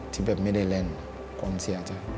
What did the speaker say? ที่แบบไม่ได้เล่นผมเสียใจ